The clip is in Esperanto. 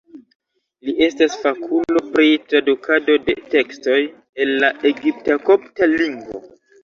Li estas fakulo pri tradukado de tekstoj el la egipta-kopta lingvo.